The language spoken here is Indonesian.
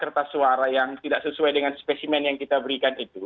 kertas suara yang tidak sesuai dengan spesimen yang kita berikan itu